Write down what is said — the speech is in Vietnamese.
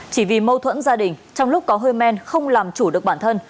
chỉ vì mâu thuẫn gia đình trong lúc có hơi men không làm chủ được bản thân